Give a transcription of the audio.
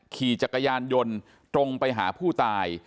ขี่จักรยานยนต์ตรงไปหาผู้ตาย